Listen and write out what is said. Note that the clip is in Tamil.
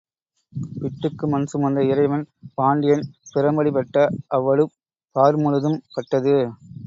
பிட்டுக்கு மண் சுமந்த இறைவன் பாண்டியன் பிரம்படி பட்ட அவ்வடு பார் முழுதும் பட்டது.